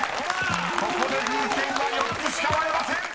［ここで風船は４つしか割れません！］